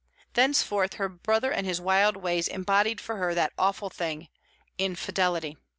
Thenceforth, her brother and his wild ways embodied for her that awful thing, infidelity.